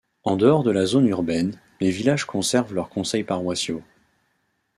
En dehors de la zone urbaine, les villages conservent leurs conseils paroissiaux.